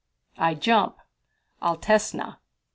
"I jump Altesna."